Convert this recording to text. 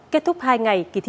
kết thúc hai ngày